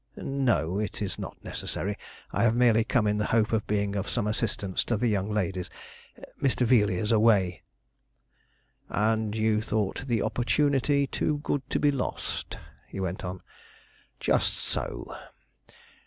"No, it is not necessary. I have merely come in the hope of being of some assistance to the young ladies. Mr. Veeley is away." "And you thought the opportunity too good to be lost," he went on; "just so.